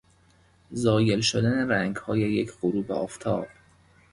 زایل شدن رنگهای یک غروب آفتاب